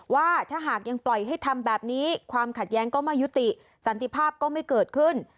ว่าถ้าหากยังปล่อยให้ทำแบบนี้ความขัดแย้งก็ไม่ยุติสันติภาพก็ไม่เกิดขึ้น